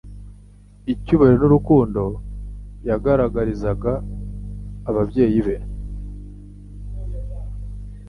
icyubahiro n'urukundo yagaragagarizaga ababyeyi be,